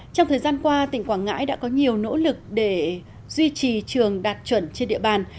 trong thời gian qua tỉnh quảng ngãi đã có nhiều nỗ lực để duy trì trường đạt chuẩn trên địa bàn